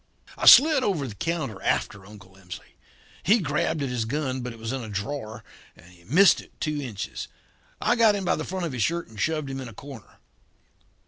"I slid over the counter after Uncle Emsley. He grabbed at his gun, but it was in a drawer, and he missed it two inches. I got him by the front of his shirt and shoved him in a corner.